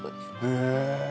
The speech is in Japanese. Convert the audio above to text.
へえ。